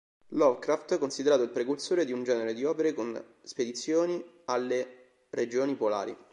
Lovecraft, considerato il precursore di un genere di opere con spedizioni alle regioni polari.